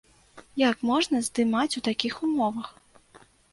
Як можна здымаць у такіх умовах?